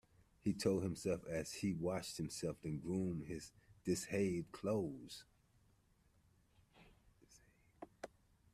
He told himself that as he washed himself and groomed his disheveled clothes.